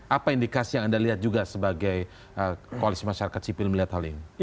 apa indikasi yang anda lihat juga sebagai koalisi masyarakat sipil melihat hal ini